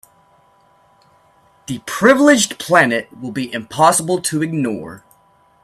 The Privileged Planet will be impossible to ignore.